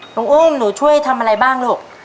อุ้มหนูช่วยทำอะไรบ้างลูก